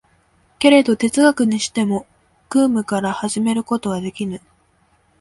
けれど哲学にしても空無から始めることはできぬ。